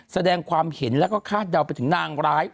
แสดงความเห็นแล้วก็คาดเดาไปถึงนางร้าย